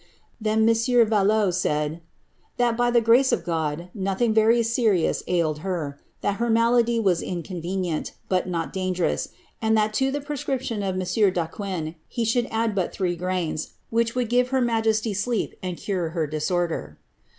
Then M. Valot said, ^that, by the giatt ^ of God, nothing very serious ailed her ; that her malady was incon ': venicnt, but not dangerous; and that to the prescription of M. D'.Aqnii "^ he should add but three grains, which would give her majesty sleeps ^^ and cure her disorder.'